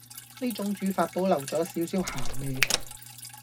呢種煮法保留左少少鹹味